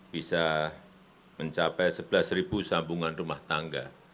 bisa mencapai sebelas sambungan rumah tangga